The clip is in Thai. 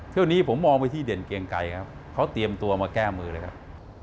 ช่วงนี้ผมมองไปที่เด่นเกียงไกรครับเขาเตรียมตัวมาแก้มือเลยครับ